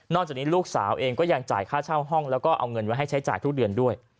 จากนี้ลูกสาวเองก็ยังจ่ายค่าเช่าห้องแล้วก็เอาเงินไว้ให้ใช้จ่ายทุกเดือนด้วย